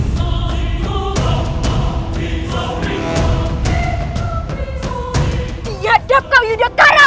tidak ada kau diana cara